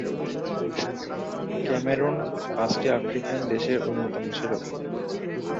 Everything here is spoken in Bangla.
ক্যামেরুন পাঁচটি আফ্রিকান দেশের অন্যতম ছিল।